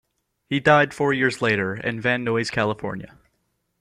He died four years later in Van Nuys, California.